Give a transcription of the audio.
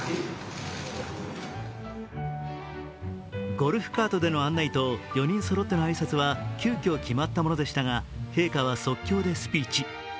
ゴルフカートでの案内と４人そろっての挨拶は急きょ決まったものでしたが陛下は即興でスピーチ。